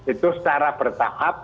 itu secara bertahap